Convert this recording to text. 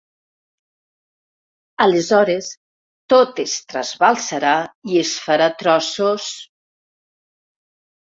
Aleshores tot es trasbalsarà i es farà trossos…